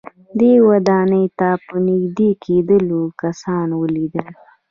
دې ودانۍ ته په نږدې کېدلو کسان وليدل.